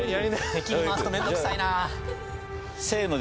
敵に回すと面倒くさいな。